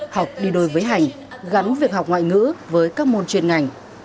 học đi đôi với hành gắn việc học ngoại ngữ với các môn chuyên ngành